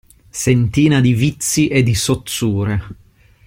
Sentina di vizi e di sozzure.